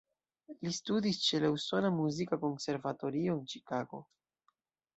Li studis ĉe la Usona Muzika Konservatorio en Ĉikago.